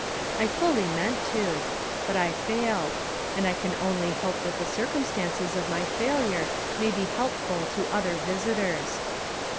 I fully meant to: but I failed: and I can only hope that the circumstances of my failure may be helpful to other visitors.